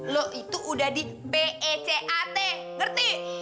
lo itu sudah di pecat mengerti